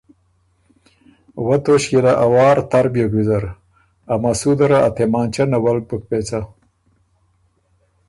وۀ توݭکيې له ا وار تر بیوک ویزر، ا مسوده ره ا تېمانچۀ نولک بُک پېڅه